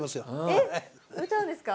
えっ歌うんですか。